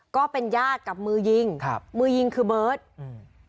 ก็เป็นญาติกับมือยิงครับมือยิงคือเบิร์ตอืม